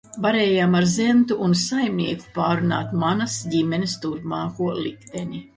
Varējām ar Zentu un saimnieku pārrunāt par manas ģimenes turpmāko likteni.